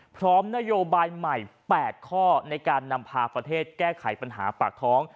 พร้อมนโยบายใหม่๘ข้อในการนำพาประเทศแก้ไขปัญหาปากท้อง